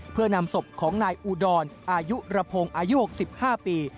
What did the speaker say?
เพื่อนำศพของนายอุดรอายุระพงศ์อายุ๖๕ปี